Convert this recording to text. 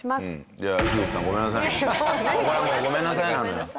これはもうごめんなさいなのよ。